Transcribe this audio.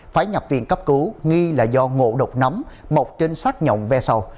phái nhập viện cấp cứu nghi là do ngộ độc nắm mọc trên sát nhọng ve sầu